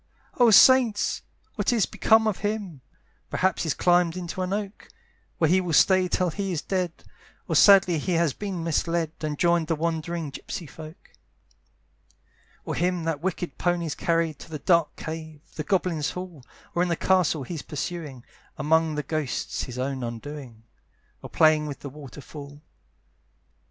"Oh saints! what is become of him? "Perhaps he's climbed into an oak, "Where he will stay till he is dead; "Or sadly he has been misled, "And joined the wandering gypsey folk. "Or him that wicked pony's carried "To the dark cave, the goblins' hall, "Or in the castle he's pursuing, "Among the ghosts, his own undoing; "Or playing with the waterfall."